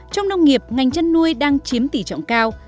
trong nông nghiệp ngành chăn nuôi đang chiếm tỷ trọng cao